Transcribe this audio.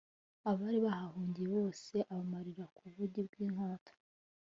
abari bahahungiye bose abamarira ku bugi bw'inkota